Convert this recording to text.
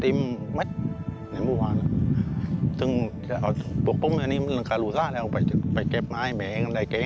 ตอนนี้มีบุคปุ้งมีลงคาหลูซ่าไปเก็บไม้แบบนี้